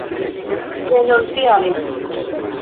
venontjare